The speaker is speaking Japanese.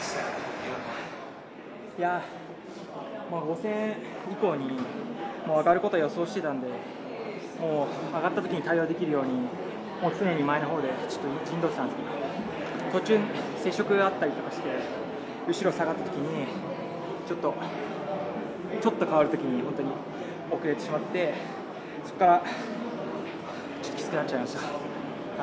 いや５０００ｍ以降に上がることを予想していたんで、上がったときに対応できるように、常に前の方で陣取っていたんですけど途中、接触があったりして後ろに下がったときにちょっと変わるときに遅れてしまってそこからちょっときつくなっちゃいました。